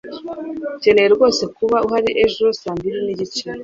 Ukeneye rwose kuba uhari ejo saa mbiri nigice.